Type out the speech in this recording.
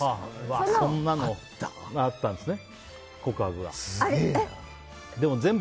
そんなのがあったんですね？